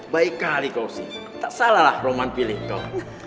baik kali kau sih tak salah lah roman pilih kau